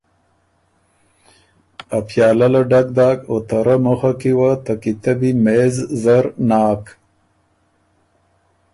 ا پیالۀ له ډک داک او ته رۀ مُخه کی وه ته کیتبي مېز زر ناک۔